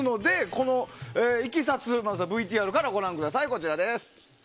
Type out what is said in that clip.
このいきさつ、まずはＶＴＲからご覧ください。